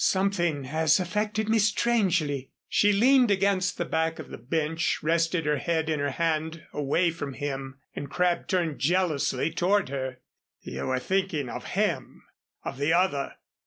Something has affected me strangely." She leaned against the back of the bench, rested her head in her hand, away from him, and Crabb turned jealously toward her. "You were thinking of him of the other."